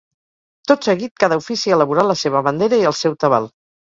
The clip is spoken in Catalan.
Tot seguit cada ofici elaborà la seva bandera i el seu tabal.